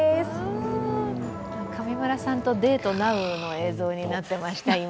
上村さんとデートなうの映像になってました、今。